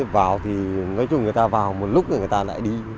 xe bít vào thì nói chung người ta vào một lúc rồi người ta lại đi